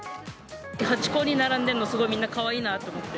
ハチ公に並んでるの、すごい、みんなかわいいなと思って。